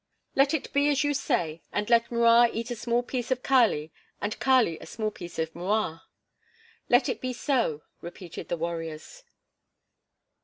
"Let it be as you say and let M'Rua eat a small piece of Kali and Kali a small piece of M'Rua." "Let it be so," repeated the warriors.